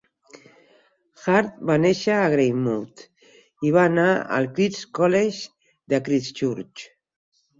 Hart va néixer a Greymouth i va anar al Christ's College de Christchurch.